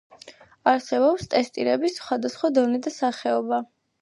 არსებობს ტესტირების სხვადასხვა დონე და სახეობა.